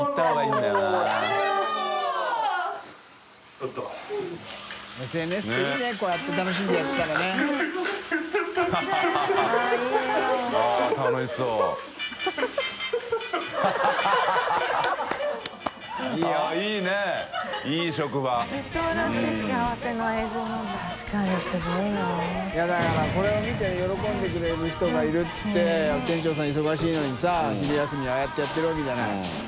いだからこれを見て喜んでくれる人がいるっていって皇垢気忙しいのにさ覽戮澆ああやってやってるわけじゃない。